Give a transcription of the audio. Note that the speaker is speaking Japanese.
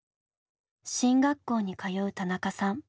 進学校に通う田中さん。